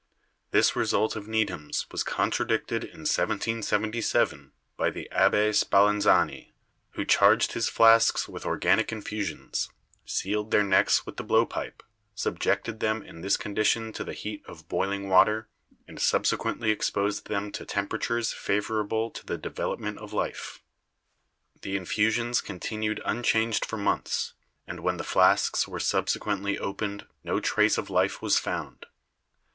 This result of Needham's was contradicted in 1777 by the Abbe Spallanzani who charged his flasks with organic infusions, sealed their necks with the blowpipe, subjected them in this condition to the heat of boiling water, and subsequently exposed them to temperatures favorable to the development of life. The infusions continued un changed for months, and when the flasks were subsequently opened no trace of life was found.